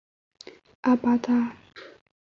阿巴扎。